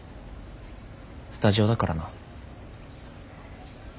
スタジオだからな。